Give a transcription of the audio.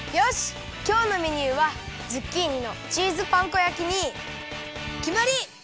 きょうのメニューはズッキーニのチーズパン粉焼きにきまり！